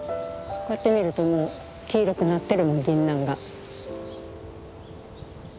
こうやって見るともう黄色くなってるもんギンナンが。